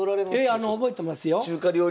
ええ覚えてますよ。